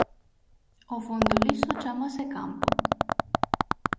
O fondo liso chámase campo.